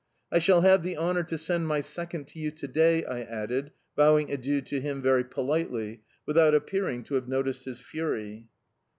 "I shall have the honour to send my second to you to day," I added, bowing adieu to him very politely, without appearing to have noticed his fury.